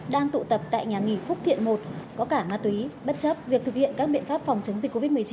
đang tụ tập tại nhà nghỉ phúc thiện một có cả ma túy bất chấp việc thực hiện các biện pháp phòng chống dịch covid một mươi chín